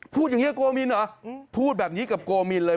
พูดอย่างนี้โกมินเหรอพูดแบบนี้กับโกมินเลย